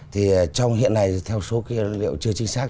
thì trong hiện nay theo số liệu chưa chính xác